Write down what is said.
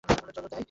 চলো, যাই।